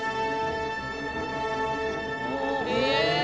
え！